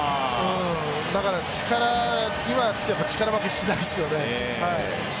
だから力には力負けしてないですよね。